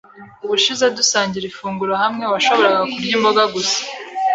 Ubushize dusangira ifunguro hamwe, washoboraga kurya imboga gusa.